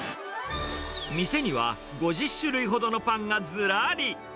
店には５０種類ほどのパンがずらり。